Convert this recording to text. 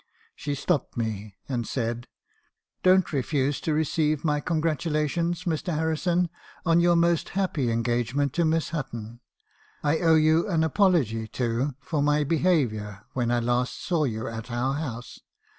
She stopped me , and said, u ' Don't refuse to receive my congratulations, Mr. Harrison, on your most happy engagement to Miss Hutton. I owe you an apology, too, for my behaviour when I last saw you at our house.